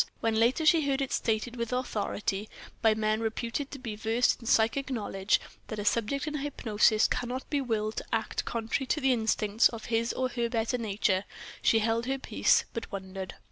When later she heard it stated with authority, by men reputed to be versed in psychic knowledge, that a subject in hypnosis cannot be willed to act contrary to the instincts of his or her better nature, she held her peace, but wondered.